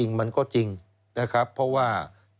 สวัสดีครับคุณผู้ชมค่ะต้อนรับเข้าที่วิทยาลัยศาสตร์